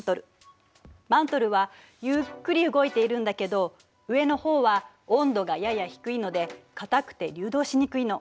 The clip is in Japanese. マントルはゆっくり動いているんだけど上のほうは温度がやや低いので固くて流動しにくいの。